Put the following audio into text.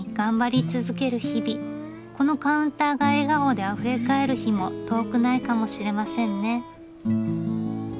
このカウンターが笑顔であふれかえる日も遠くないかもしれませんね。